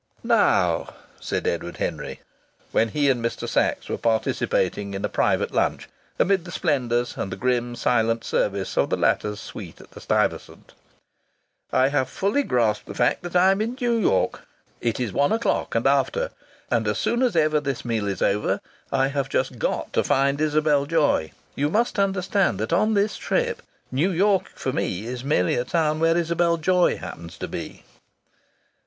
"Now," said Edward Henry, when he and Mr. Sachs were participating in a private lunch amid the splendours and the grim, silent service of the latter's suite at the Stuyvesant, "I have fully grasped the fact that I am in New York. It is one o'clock and after, and as soon as ever this meal is over I have just got to find Isabel Joy. You must understand that on this trip New York for me is merely a town where Isabel Joy happens to be."